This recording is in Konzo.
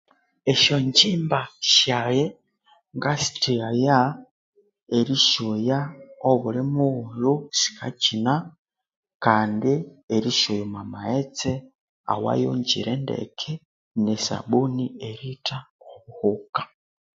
Esyonjimba syaghe ngasitheghaya erisyoya obuli mughulhu sikakyina kandi erisyoya omu maghetse awayonjire ndeke ne sabuni ertha obuhuka